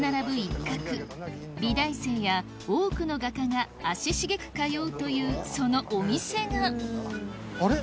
一角美大生や多くの画家が足しげく通うというそのお店があれ？